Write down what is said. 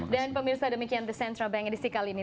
dan pemirsa demikian the central bank edisi kali ini